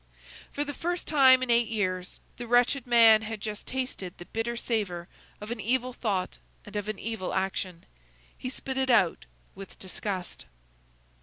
For the first time in eight years, the wretched man had just tasted the bitter savor of an evil thought and of an evil action. He spit it out with disgust.